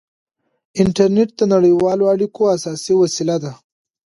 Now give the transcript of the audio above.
انټرنېټ د نړیوالو اړیکو اساسي وسیله ده.